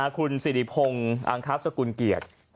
คุณสิริพงศ์อังคสกุลเกียรติ